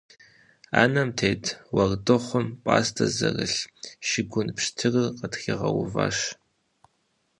Ӏэнэм тет уэрдыхъум пӏастэ зэрылъ шыгун пщтырыр къытригъэуващ.